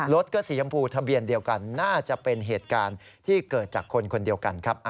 รถก็สียำพูทะเบียนเดียวกันน่าจะเป็นเหตุการณ์ที่เกิดจากคนคนเดียวกันครับ